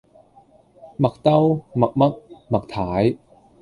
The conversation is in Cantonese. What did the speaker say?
麥兜，麥嘜，麥太